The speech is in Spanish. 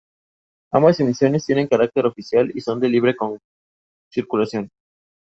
Ambas emisiones tienen carácter oficial y son de libre circulación.